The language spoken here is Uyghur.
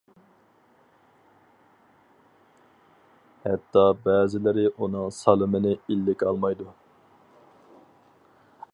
ھەتتا بەزىلىرى ئۇنىڭ سالىمىنى ئىلىك ئالمايدۇ.